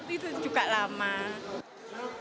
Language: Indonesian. itu juga lama